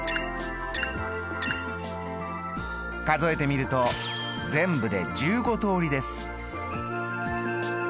数えてみると全部で１５通りです。